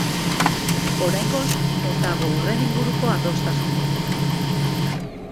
Oraingoz, ez dago horren inguruko adostasunik.